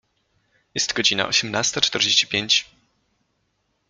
Jest godzina osiemnasta czterdzieści pięć.